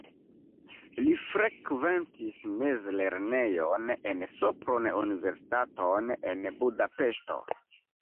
Li frekventis mezlernejon en Sopron, universitaton en Budapeŝto.